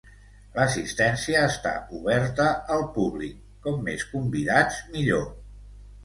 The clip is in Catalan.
L'assistència està oberta al públic; com més convidats, millor.